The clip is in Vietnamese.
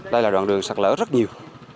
đây là đoạn đường sạt lở rất nhiều